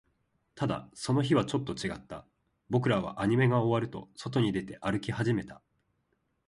ただ、その日はちょっと違った。僕らはアニメが終わると、外に出て、歩き始めた。